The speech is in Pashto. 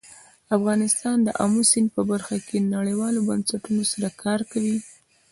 افغانستان د آمو سیند په برخه کې نړیوالو بنسټونو سره کار کوي.